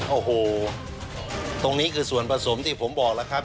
โอ้โหตรงนี้คือส่วนผสมที่ผมบอกแล้วครับ